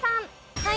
はい。